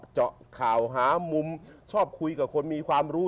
ชอบคุยกับคนมีความรู้